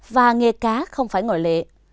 và nghe cá không phải ngồi lệ